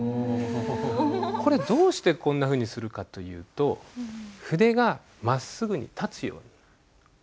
これどうしてこんなふうにするかというと筆がまっすぐに立つように。